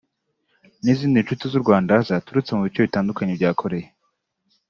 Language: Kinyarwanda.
n’izindi nshuti z’u Rwanda zaturutse mu bice bitandukanye bya Korea